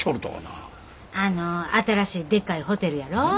あの新しいでっかいホテルやろ？